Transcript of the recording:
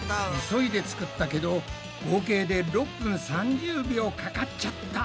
急いで作ったけど合計で６分３０秒かかっちゃった。